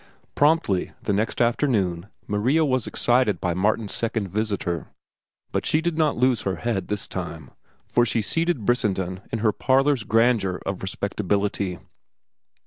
Promptly, the next afternoon, Maria was excited by Martin's second visitor. But she did not lose her head this time, for she seated Brissenden in her parlor's grandeur of respectability.